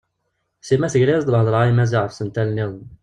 Sima tegra-as-d lhedra i Maziɣ ɣef yisental-nniḍen.